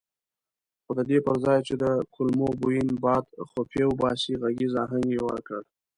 خو ددې پرځای چې د کلمو بوین باد خفیه وباسي غږیز اهنګ یې ورکړ.